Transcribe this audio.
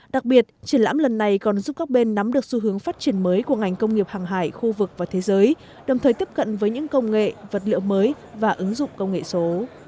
đặc biệt triển lãm lần này còn giúp các bên nắm được xu hướng phát triển mới của ngành công nghiệp hàng hải khu vực và thế giới đồng thời tiếp cận với những công nghệ vật liệu mới và ứng dụng công nghệ số